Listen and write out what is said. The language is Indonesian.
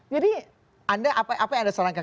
jadi anda apa yang anda sarankan